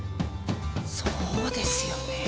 そうですよね。